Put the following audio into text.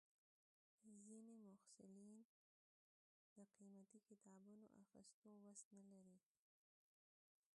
ځینې محصلین د قیمتي کتابونو اخیستو وس نه لري.